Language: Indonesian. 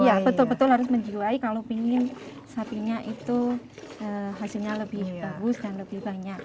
iya betul betul harus menjiwai kalau ingin sapinya itu hasilnya lebih bagus dan lebih banyak